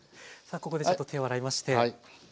ここでちょっと手を洗いまして。